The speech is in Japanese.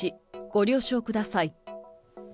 ご了承ください。